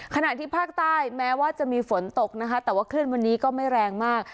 ขณะที่ภาคใต้แม้ว่าจะมีฝนตกนะคะแต่ว่าคลื่นวันนี้ก็ไม่แรงมาก